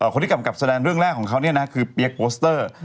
คนที่กำกับแสดงเรื่องแรกของเขาเนี่ยนะคือเปี๊ยกโปสเตอร์